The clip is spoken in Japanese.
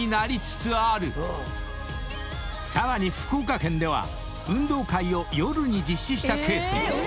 ［さらに福岡県では運動会を夜に実施したケースも］